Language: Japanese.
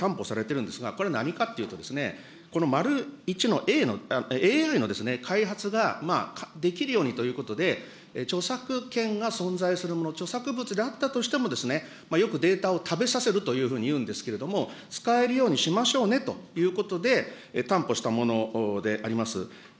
今実は、文科省さんがお話になられました、著作権法の３０条の４というのが、法改正で担保されているんですが、これ何かというと、この丸１のＡＩの開発ができるようにということで、著作権が存在するもの、著作物であったとしても、よくデータを食べさせるというふうに言うんですけれども、使えるようにしましょうねということで、担保したものであります。